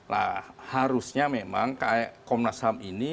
nah harusnya memang kayak komnas ham ini